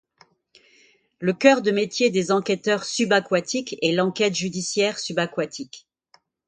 Le cœur de métier des enquêteurs subaquatiques est l'enquête judiciaire subaquatique.